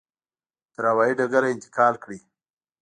تر هوایي ډګره انتقال کړي.